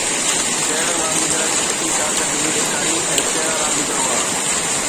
ڪهڙن رانديگرن سٺي ڪارڪردگي ڏيکاري ۽ ڪهڙا رانديگر هئا؟